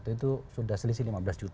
itu sudah selisih lima belas juta